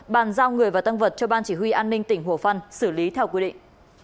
bàn giao người và tăng vật cho ban chỉ huy an ninh tỉnh hồ phân xử lý theo quy định